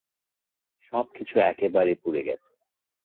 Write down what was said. সবকিছু একেবারে পুড়ে গেছে।